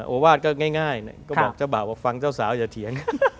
โอวาสก็ง่ายก็บอกเจ้าบ่าวว่าฟังเจ้าสาวอย่าเถียง